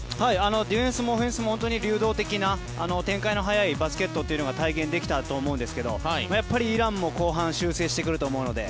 ディフェンスもオフェンスも流動的な展開の速いバスケが体現できたと思うんですけどイランも後半修正してくると思うので